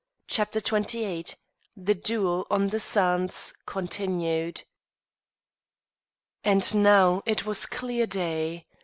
CHAPTER XXVIII THE DUEL ON THE SANDS Continued. And now it was clear day.